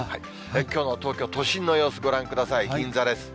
きょうの東京都心の様子、ご覧ください、銀座です。